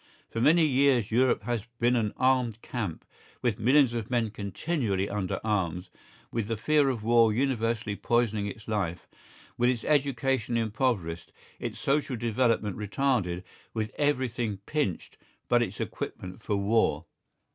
For many years Europe has been an armed camp, with millions of men continually under arms, with the fear of war universally poisoning its life, with its education impoverished, its social development retarded, with everything pinched but its equipment for war.